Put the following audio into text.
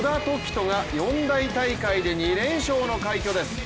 人が四大大会で２連勝の快挙です。